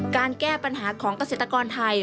การแก้ปัญหาของเกษตรกรไทย